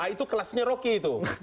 itu kelasnya rocky itu